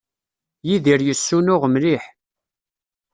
Yidir yessunuɣ mliḥ.